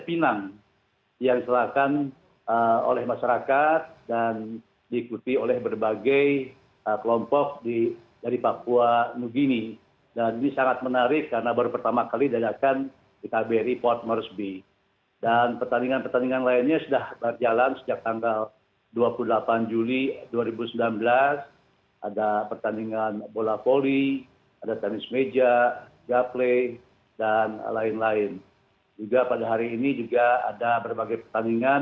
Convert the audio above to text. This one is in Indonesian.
pesta rakyat mengusung hari kemerdekaan di port moresby papua nugini berlangsung khidmat